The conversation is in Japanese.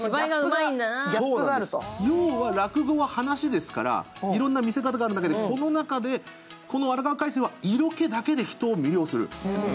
要は落語は話ですから、いろんな見せ方があるんだけどこの中で阿良川魁生は色気だけで人を魅了する。